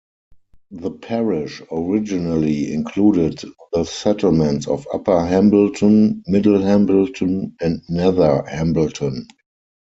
The parish originally included the settlements of Upper Hambleton, Middle Hambleton and Nether Hambleton.